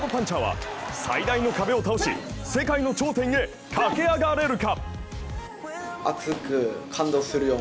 １５勝１４ＫＯのハードパンチャーは最大の壁を倒し、世界の頂点へ駆け上がれるか。